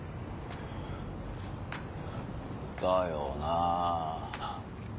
だよな。